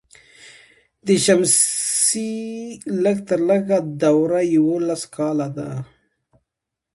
د شمسي لږ تر لږه دوره یوولس کاله ده.